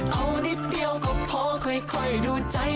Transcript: เอานิดเดียวก็พอค่อยดูใจ